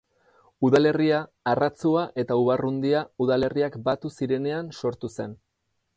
Udalerria Arratzua eta Ubarrundia udalerriak batu zirenean sortu zen.